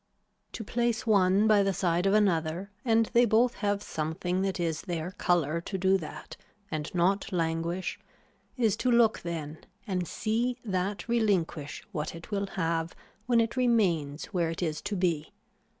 To place one by the side of another and they both have something that is their color to do that and not languish is to look then and see that relinquish what it will have when it remains where it is to be.